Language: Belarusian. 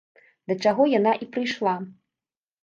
Да чаго яна і прыйшла.